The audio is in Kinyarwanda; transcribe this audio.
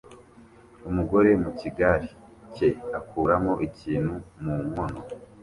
Umugore mu gikari cye akuramo ikintu mu nkono